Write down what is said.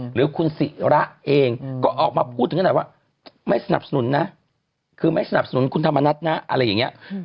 หรือคุณ่ศิระเองออกมาพูดถึงเฉินหน่อยว่าไม่สนับสนุ๋นนะแม้สนับสนุ๋นคุณธรรมนัทนะ